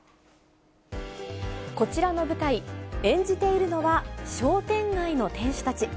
こちらの舞台、演じているのは商店街の店主たち。